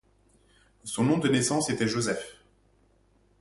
Son nom de naissance était Joseph.